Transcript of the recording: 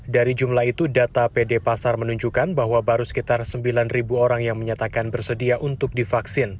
dari jumlah itu data pd pasar menunjukkan bahwa baru sekitar sembilan orang yang menyatakan bersedia untuk divaksin